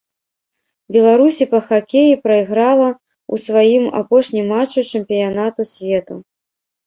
Беларусі па хакеі прайграла ў сваім апошнім матчы чэмпіянату свету.